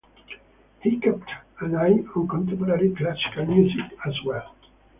He kept an eye on contemporary classical music as well.